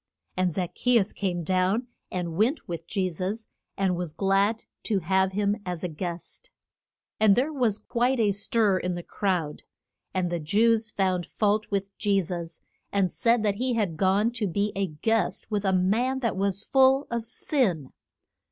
And Zac che us came down and went with Je sus, and was glad to have him as a guest. And there was quite a stir in the crowd, and the Jews found fault with Je sus, and said that he had gone to be a guest with a man that was full of sin.